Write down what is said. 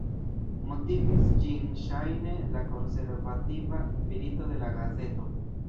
Motivis ĝin ŝajne la konservativa spirito de la gazeto.